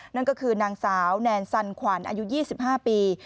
นั่นก็คือนางสาวแนนซันขวัญอายุ๒๕ปี